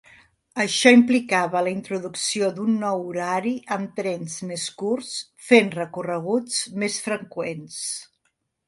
Això implicava la introducció d'un nou horari amb trens més curts fent recorreguts més freqüents.